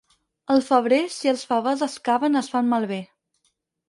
Al febrer, si els favars es caven es fan malbé.